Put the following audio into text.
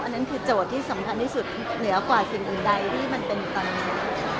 นั่นคือโจทย์ที่สำคัญที่สุดเหนือกว่าสิ่งอื่นใดที่มันเป็นอยู่ตอนนี้